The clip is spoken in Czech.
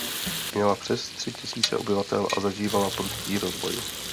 Měla přes tři tisíce obyvatel a zažívala prudký rozvoj.